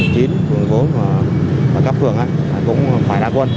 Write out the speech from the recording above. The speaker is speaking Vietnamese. quận chín quận bốn và các phường cũng phải ra quân